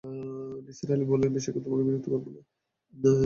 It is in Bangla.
নিসার আলি বললেন, বেশিক্ষণ তোমাকে বিরক্ত করব না।